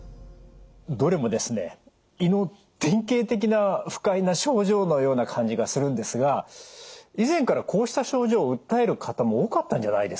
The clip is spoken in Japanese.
どれもですね胃の典型的な不快な症状のような感じがするんですが以前からこうした症状を訴える方も多かったんじゃないですか？